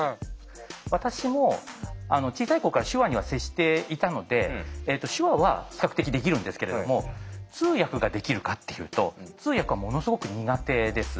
私も小さい頃から手話には接していたので手話は比較的できるんですけれども通訳ができるかっていうと通訳はものすごく苦手です。